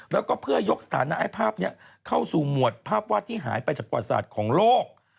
แล้วก็เพื่อยกสถานะไอ้ภาพนี้เข้าสู่หมวดภาพวาดที่หายไปจากประวัติศาสตร์ของโลก